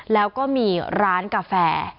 แล้วก็มีร้านกาแฟ